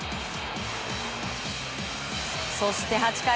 そして８回。